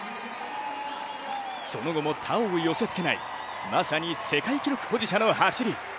その後も、他を寄せつけないまさに世界記録保持者の走り。